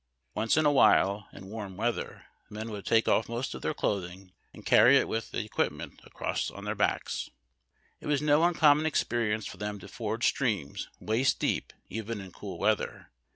Once in a while (in warm weather) the men would take off most of their clothing and carry it with their equip ments across on tlieir heads. It was no uncommon exjierience for them to ford streams waist deep, even in cool weather.